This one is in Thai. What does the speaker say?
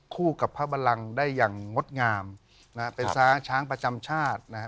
กับพระบรังได้อย่างงดงามนะฮะเป็นช้างประจำชาตินะฮะ